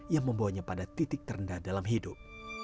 yang membawanya pada titik terendah dalam hidup